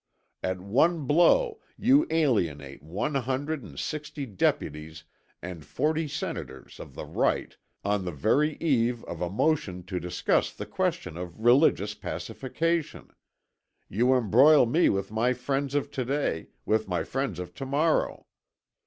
At one blow you alienate one hundred and sixty Deputies and forty Senators of the Right on the very eve of a motion to discuss the question of religious pacification; you embroil me with my friends of to day, with my friends of to morrow.